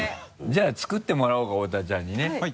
じゃあ作ってもらおうか大田ちゃんにね。